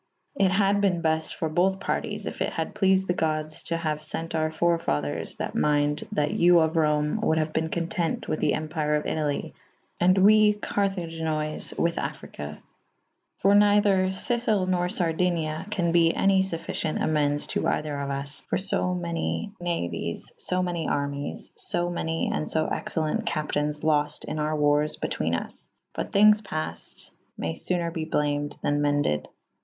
It had ben befte for bothe parties if it had pleafed the goddes to haue fent our fore faders that mynde / that you of Rome wolde have ben content with the Empyre of Italy /& we Caraginoys' with Affryke. For neyther SifiP nor Sardynya can be anv fuffycient ame«des to eyther of vs for lo many naueis fo many armies / fo many and fo excellent capi taines lofte in our warres betwene vs, but thynges paffed / may foner be blamed tha« me«ded.